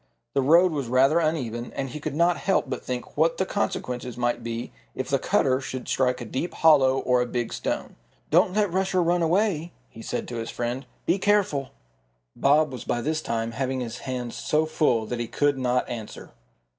The road was rather uneven, and he could not help but think what the consequences might be if the cutter should strike a deep hollow or a big stone. "Don't let Rusher run away," he said to his friend. "Be careful." Bob was by this time having his hands so full that he could not answer.